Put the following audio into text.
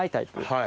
はい。